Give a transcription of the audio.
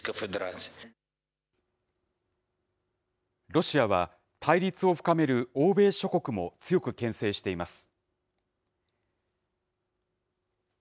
ロシアは、対立を深める欧米諸国も強くけん制しています。